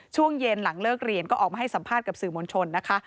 ช่วงเย็นหลังเลิกเรียนก็ออกมาให้สัมภาษณ์กับสื่อมวลชนนะคะ